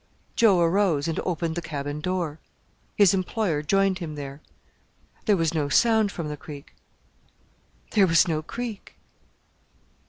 Joe arose and opened the cabin door. His employer joined him there. There was no sound from the Creek; there was no Creek.